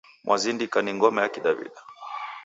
Mwazindika ni ngoma ya kidawida